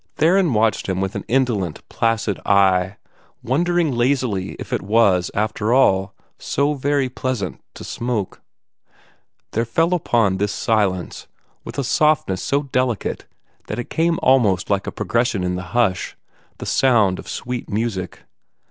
Theron watched him with an indolent, placid eye, wondering lazily if it was, after all, so very pleasant to smoke. There fell upon this silence with a softness so delicate that it came almost like a progression in the hush the sound of sweet music.